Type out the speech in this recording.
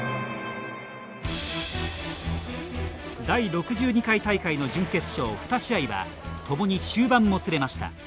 第６２回大会の準決勝２試合は共に終盤もつれました。